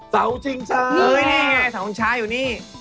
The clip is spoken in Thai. สาวชิงชาเออนี่ไงสาวชิงชาอยู่นี่